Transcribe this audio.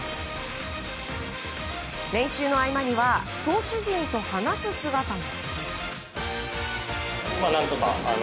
練習の合間には投手陣と話す姿も。